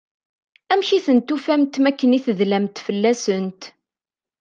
Amek i tent-tufamt mi akken i tedlamt fell-asent?